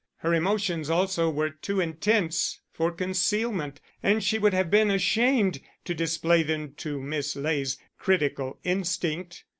Her emotions also were too intense for concealment, and she would have been ashamed to display them to Miss Ley's critical instinct.